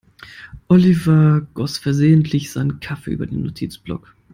Oliver goss versehentlich seinen Kaffee über den Notizblock.